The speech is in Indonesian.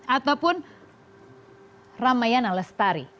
ataupun ramayana lestari